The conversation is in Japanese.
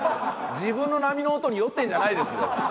自分の波の音に酔ってるんじゃないですよ。